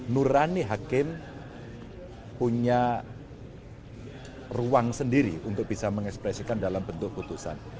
nurani hakim punya ruang sendiri untuk bisa mengekspresikan dalam bentuk putusan